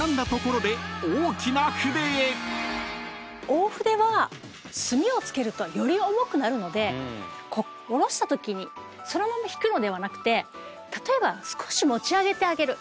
大筆は墨をつけるとより重くなるので下ろしたときにそのまま引くのではなくて例えば少し持ち上げてあげる。